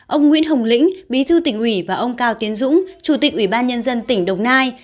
ông nguyễn hồng lĩnh bí thư tỉnh ủy và ông cao tiến dũng chủ tịch ủy ban nhân dân tỉnh đồng nai